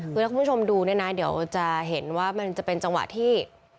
คือถ้าคุณผู้ชมดูเนี่ยนะเดี๋ยวจะเห็นว่ามันจะเป็นจังหวะที่